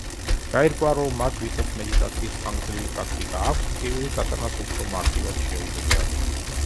გაირკვა, რომ მათ, ვისაც მედიტაციის ხანგრძლივი პრაქტიკა აქვს, ტკივილის ატანაც უფრო მარტივად შეუძლიათ.